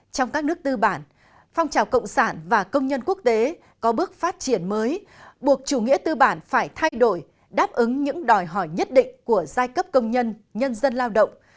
trong các nước tư bản phong trào cộng sản và công nhân quốc tế có bước phát triển mới buộc chủ nghĩa tư bản phải thay đổi đáp ứng những đòi hỏi nhất định của giai cấp công nhân nhân dân lao động